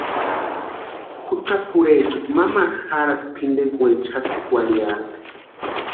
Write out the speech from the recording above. Jucha pʼorhecha mamaru jarhati pʼintekwaechani jatsikwarhiaska.